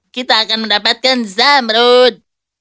kita akan mendapatkan zamrud